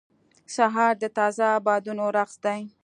سهار د تازه بادونو رقص دی.